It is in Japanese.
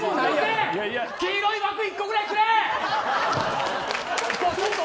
黄色い枠１個くらいくれ。